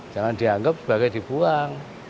jangan dianggap sebagai dibuang